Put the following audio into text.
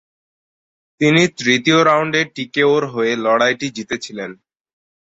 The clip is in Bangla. তিনি তৃতীয় রাউন্ডে টিকেও-র হয়ে লড়াইটি জিতেছিলেন।